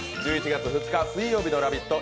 １１月２日水曜日の「ラヴィット！」